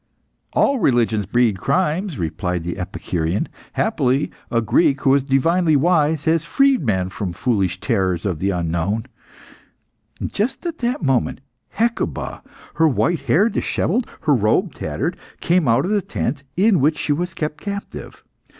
"All religions breed crimes," replied the Epicurean. "Happily, a Greek, who was divinely wise, has freed men from foolish terrors of the unknown " Just at that moment, Hecuba, her white hair dishevelled, her robe tattered, came out of the tent in which she was kept captive.